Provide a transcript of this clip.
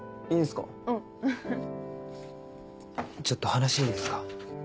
ちょっと話いいですか？